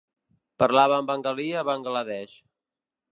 Parlaven bengalí a Bangladesh.